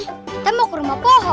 kita mau ke rumah polo